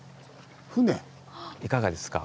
いかがですか？